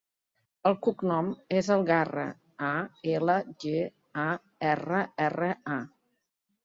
El cognom és Algarra: a, ela, ge, a, erra, erra, a.